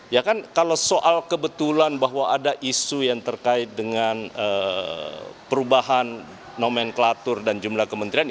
ya kan kalau soal kebetulan bahwa ada isu yang terkait dengan perubahan nomenklatur dan jumlah kementerian